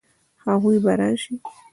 هغوی به راشي؟